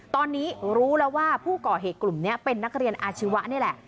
ตอนนี้รู้แล้วว่าผู้ก่อเหตุกลุ่มนี้เป็นนักเรียนอาชีวะนี่แหละ